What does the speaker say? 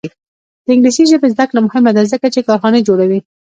د انګلیسي ژبې زده کړه مهمه ده ځکه چې کارخانې جوړوي.